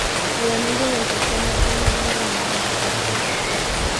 El anillo de benceno tiene una nomenclatura especial.